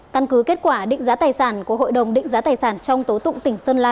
căn cứ kết quả định giá tài sản của hội đồng định giá tài sản trong tố tụng tỉnh sơn la